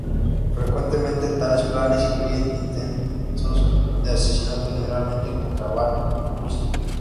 Frecuentemente tales planes incluyen intentos de asesinato, generalmente contra Bart o Krusty.